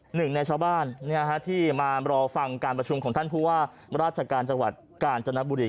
หนึ่งในชาวบ้านที่มารอฟังการประชุมของท่านผู้ว่าราชการจังหวัดกาญจนบุรี